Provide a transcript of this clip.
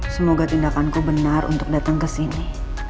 semoga tindakanku benar untuk dateng kesini